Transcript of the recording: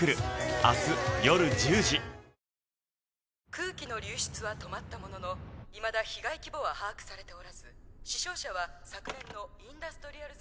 空気の流出は止まったもののいまだ被害規模は把握されておらず死傷者は昨年のインダストリアル７。